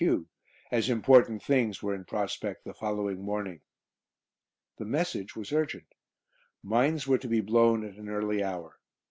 Q., as important things were in prospect the following morning. The message was urgent. Mines were to be blown at an early hour.